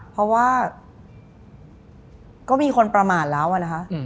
เพราะว่าก็มีคนประมาทแล้วอะนะคะ